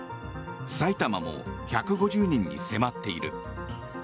埼玉も１５０人に迫っている。